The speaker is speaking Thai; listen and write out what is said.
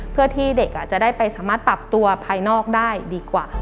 เพื่อที่เด็กจะได้ไปสามารถปรับตัวภายนอกได้ดีกว่า